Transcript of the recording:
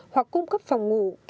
hoặc cung cấp phòng ngủ